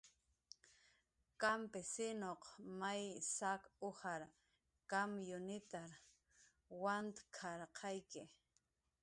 "Kampisinuq may saq ujar kamyunitar wantk""arqayki"